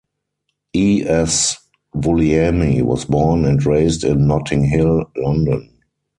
E. S. Vulliamy was born and raised in Notting Hill, London.